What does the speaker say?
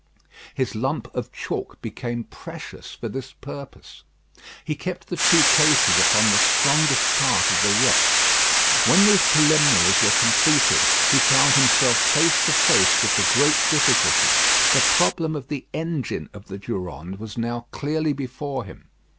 His lump of chalk became precious for this purpose. He kept the two cases upon the strongest part of the wreck. When these preliminaries were completed, he found himself face to face with the great difficulty. The problem of the engine of the Durande was now clearly before him.